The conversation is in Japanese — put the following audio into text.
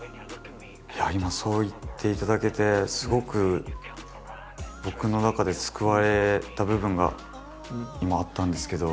今そう言っていただけてすごく僕の中で救われた部分が今あったんですけど。